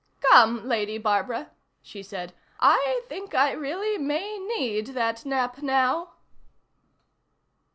"Come, Lady Barbara," she said. "I think I really may need that nap, now."